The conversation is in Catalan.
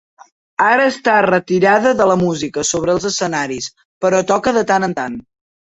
Ara està retirada de la música sobre els escenaris, però toca de tant en tant.